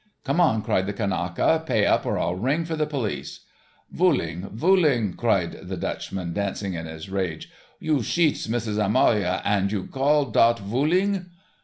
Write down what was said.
"Come on," cried the Kanaka, "pay up or I'll ring for the police." "Vooling, vooling," shouted the Dutchman, dancing in his rage. "You sheats Missus Amaloa und you gall dot vooling."